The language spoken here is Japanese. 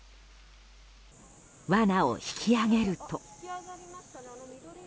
わなを引き上げると。